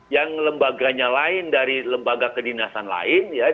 yang lembaganya lain dari lembaga kedinasan lain ya